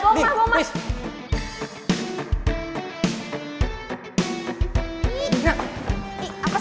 gak enggak enggak gue mau mas gue mau mas